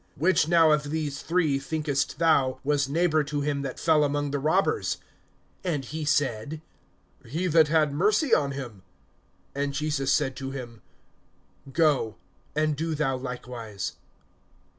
(36)Which now of these three, thinkest thou, was neighbor to him that fell among the robbers? (37)And he said: He that had mercy on him. And Jesus said to him: Go, and do thou likewise.